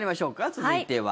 続いては。